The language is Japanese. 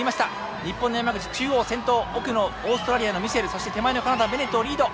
日本の山口中央先頭奥のオーストラリアのミシェルそして手前のカナダのベネットをリード。